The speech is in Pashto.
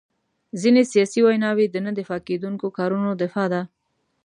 ځینې سیاسي ویناوي د نه دفاع کېدونکو کارونو دفاع ده.